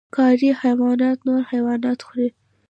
ښکاري حیوانات نور حیوانات خوري